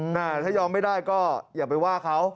ถ้ายอมไม่ได้ก็อย่าไปว่าเขา